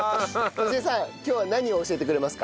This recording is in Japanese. とし江さん今日は何を教えてくれますか？